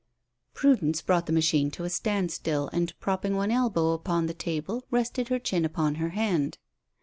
'" Prudence brought the machine to a standstill, and propping one elbow upon the table rested her chin upon her hand.